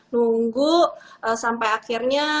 nunggu sampai akhirnya